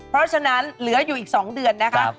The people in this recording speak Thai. เพราะฉะนั้นเหลืออยู่อีก๒เดือนนะคะ